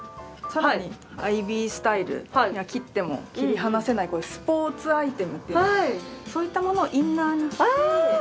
更にアイビースタイルには切っても切り離せないスポーツアイテムっていうそういったものをインナーに着て。